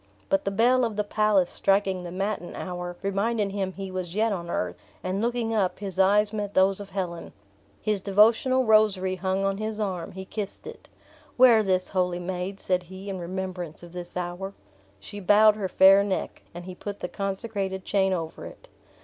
But the bell of the palace striking the matin hour, reminded him he was yet on earth; and looking up his eyes met those of Helen. His devotional rosary hung on his arm; he kissed it. "Wear this, holy maid," said he, "in remembrance of this hour!" She bowed her fair neck, and he put the consecrated chain over it.